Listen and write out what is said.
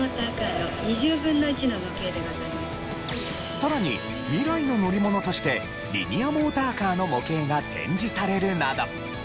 さらに未来の乗り物としてリニアモーターカーの模型が展示されるなど。